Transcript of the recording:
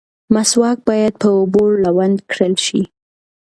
مسواک باید په اوبو لوند کړل شي.